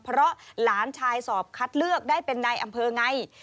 เพราะหลานชายสอบคัดเลือกได้เป็นนายอำเภอไง